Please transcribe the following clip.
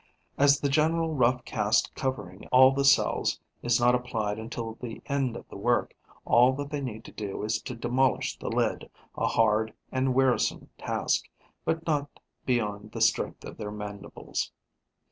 As the general rough cast covering all the cells is not applied until the end of the work, all that they need do is to demolish the lid, a hard and wearisome task, but not beyond the strength of their mandibles.